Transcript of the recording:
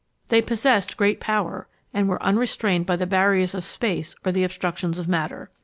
They possessed great power, and were unrestrained by the barriers of space or the obstructions of matter.